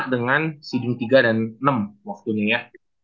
dengan cd tiga dan enam waktunya ya